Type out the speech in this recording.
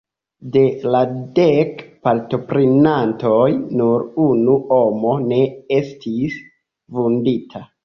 De la dek partoprenantoj, nur unu homo ne estis vundita.